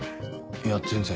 いや全然。